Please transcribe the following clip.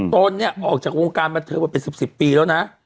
ตนเนี่ยออกจากวงการบันเทิงมาเป็น๑๐ปีแล้วนะ